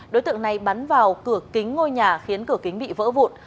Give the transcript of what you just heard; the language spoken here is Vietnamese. đối tượng này bắn vào cửa kính ngôi nhà khiến cửa kính bị vỡ vụn